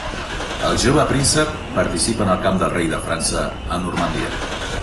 El jove príncep participa en el camp del rei de França a Normandia.